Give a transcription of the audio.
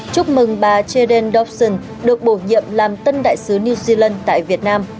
chúc mừng bà cheden dobson được bổ nhiệm làm tân đại sứ new zealand tại việt nam